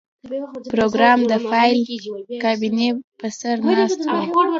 پروګرامر د فایل کابینې په سر ناست و